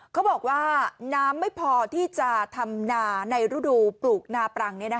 เขาบอกว่าน้ำไม่พอที่จะทำนาในรูดูปลูกนาปรังเนี่ยนะคะ